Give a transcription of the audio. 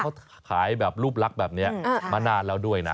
เขาขายแบบรูปลักษณ์แบบนี้มานานแล้วด้วยนะ